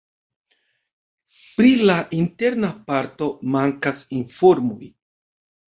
Pri la interna parto mankas informoj.